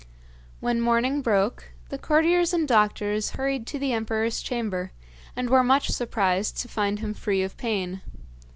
When morning broke, the courtiers and doctors hurried to the emperor's chamber, and were much surprised to find him free of pain.